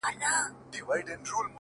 • هغې ويل اور؛